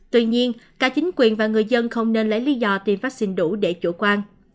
tuy nhiên cả chính quyền và người dân không nên lấy lý do tiêm vaccine đủ để chủ quan